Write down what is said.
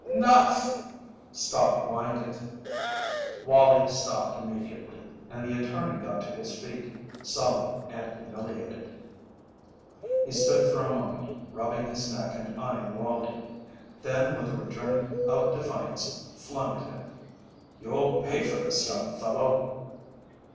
"'Nough!" Stott whined it. Wallie stopped immediately, and the attorney got to his feet, sullen and humiliated. He stood for a moment rubbing his neck and eyeing Wallie; then with a return of defiance flung at him: "You'll pay for this, young fellow!"